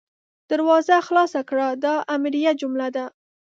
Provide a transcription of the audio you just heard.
دروازه خلاصه کړه – دا امریه جمله ده.